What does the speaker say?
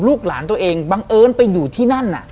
ลูกหลานตัวเองบังเอิญไปอยู่ที่นั่นน่ะ